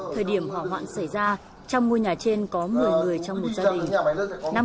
thời điểm hỏa hoạn xảy ra trong ngôi nhà trên có một mươi người trong một gia đình